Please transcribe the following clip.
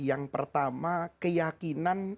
yang pertama keyakinan